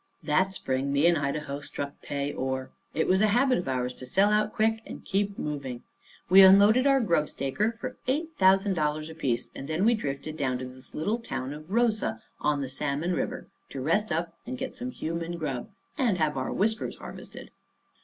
That spring me and Idaho struck pay ore. It was a habit of ours to sell out quick and keep moving. We unloaded our grubstaker for eight thousand dollars apiece; and then we drifted down to this little town of Rosa, on the Salmon river, to rest up, and get some human grub, and have our whiskers harvested.